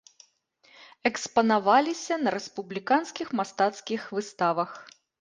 Экспанаваліся на рэспубліканскіх мастацкіх выставах.